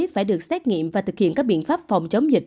phải được xét nghiệm và thực hiện các biện pháp phòng chống dịch